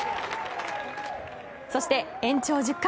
そして、延長１０回。